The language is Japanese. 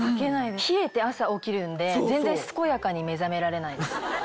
冷えて朝起きるんで全然健やかに目覚められないです。